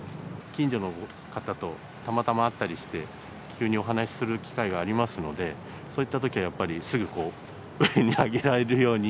近所の方とたまたま会ったりして、急にお話する機会がありますので、そういったときはやっぱり、すぐ上に上げられるように。